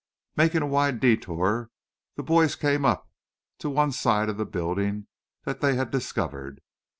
Making a wide detour the boys came up to one side of the building that they had discovered.